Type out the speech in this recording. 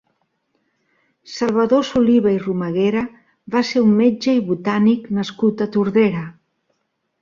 Salvador Soliva i Romaguera va ser un metge i botànic nascut a Tordera.